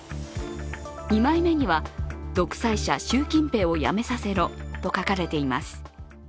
２枚目には「独裁者習近平を辞めさせろ」と書かれています。